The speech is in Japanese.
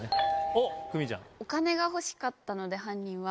お金が欲しかったので犯人は。